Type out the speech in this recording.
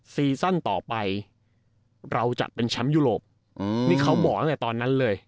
ซีซั่นต่อไปเราจะเป็นแชมป์ยุโรปนี่เขาบอกตั้งแต่ตอนนั้นเลย